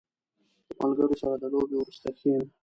• د ملګرو سره د لوبې وروسته کښېنه.